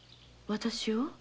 私を？